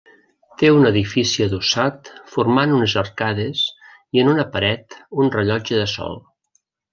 Té un edifici adossat formant unes arcades i en una paret un rellotge de sol.